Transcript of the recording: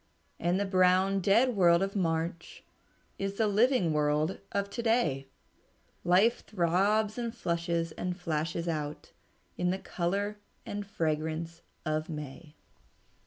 And the brown, dead world of March Is the living world of to day; Life throbs and flushes and flashes out In the color and fragrance of May."